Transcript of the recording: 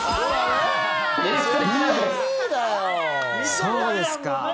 そうですか。